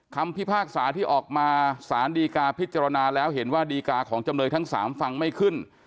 คำพิพากษาที่ออกมาสารดีกาพิจารณาแล้วเห็นว่าดีกาของจำเลยทั้ง๓ฟังไม่ขึ้น